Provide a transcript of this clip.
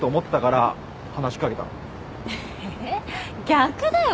逆だよ。